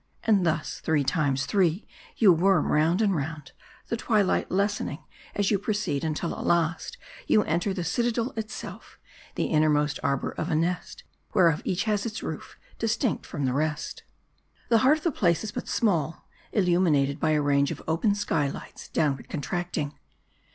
And thus, three times three, you worm round and round, the twilight lessening as you proceed ; un til at last, you enter the citadel itself : the innermost arbor of a nest ; whereof, each has its roof, distinct from the rest. The heart of the place is but small ; illuminated by a range of open sky lights, downward contracting.